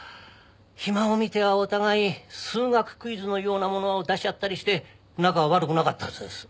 暇を見てはお互い数学クイズのようなものを出し合ったりして仲は悪くなかったはずです。